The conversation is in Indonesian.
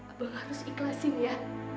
abang harus ikhlasin ya